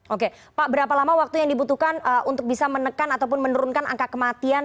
oke pak berapa lama waktu yang dibutuhkan untuk bisa menekan ataupun menurunkan angka kematian